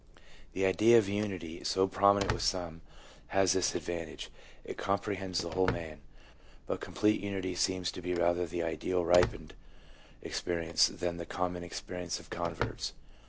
The idea of unity, so prominent with some, has this advantage: it com prehends the whole man ; but complete unity seems to be rather the ideal ripened experience than the common experience of converts.